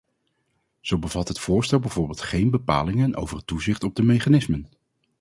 Zo bevat het voorstel bijvoorbeeld geen bepalingen over het toezicht op de mechanismen.